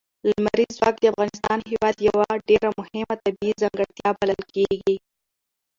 لمریز ځواک د افغانستان هېواد یوه ډېره مهمه طبیعي ځانګړتیا بلل کېږي.